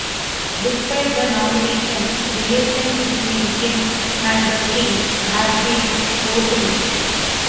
Despite the nominations, relations between him and the king have been worsening.